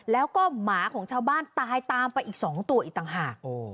แล้วก็หมาของชาวบ้านตายตามไปอีก๒ตัวอีกต่างหาก